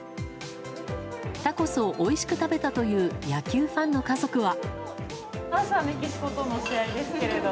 タコスをおいしく食べたという野球ファンの家族は。